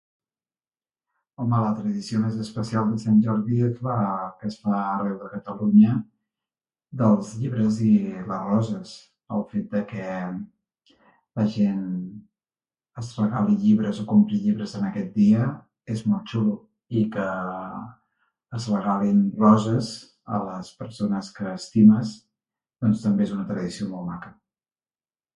Home, la tradició més especial de Sant Jordi es fa es fa arreu de Catalunya, dels llibres i les roses. El fet de que la gent es regali llibres o compri llibres en aquest dia és molt xulo, i que es regalin roses a les persones que estimes, doncs, també és una tradició molt maca.